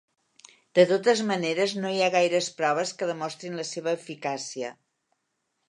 De totes maneres, no hi ha gaires proves que demostrin la seva eficàcia.